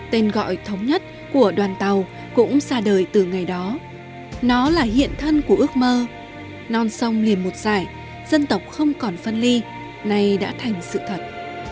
tên gọi thống nhất của đoàn tàu cũng ra đời từ ngày đó nó là hiện thân của ước mơ non sông liền một dài dân tộc không còn phân ly nay đã thành sự thật